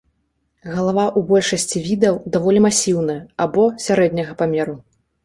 Галава ў большасці відаў даволі масіўная або сярэдняга памеру.